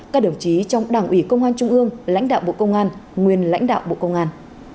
các đồng chí trong đảng ủy công an trung ương lãnh đạo bộ công an nguyên lãnh đạo bộ công an